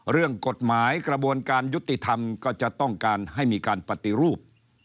เรื่องกฎหมายกระบวนการยุติธรรมก็จะต้องการให้มีการปฏิรูป